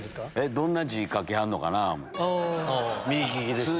どんな字書きはんのかと思って。